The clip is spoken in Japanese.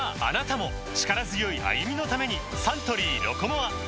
あなたも力強い歩みのためにサントリー「ロコモア」